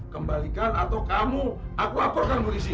kembalikan atau kamu aku laporkan polisi